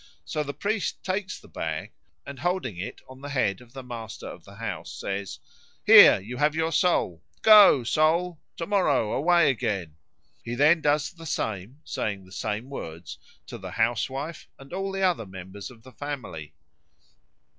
So the priest takes the bag, and holding it on the head of the master of the house, says, "Here you have your soul; go (soul) to morrow away again." He then does the same, saying the same words, to the housewife and all the other members of the family.